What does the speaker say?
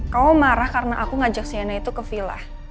kamu marah karena aku ngajak sienna itu ke vilah